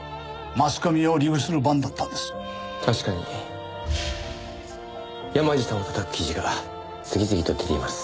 確かに山路さんを叩く記事が次々と出ています。